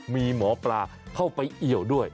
มีหมอปลาเข้าไปเอี่ยวด้วย